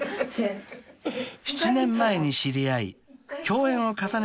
［７年前に知り合い共演を重ねてきた２人］